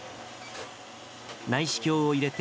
内視鏡を入れて、